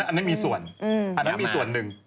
อันนี้มีส่วนอันนั้นมีส่วนหนึ่ง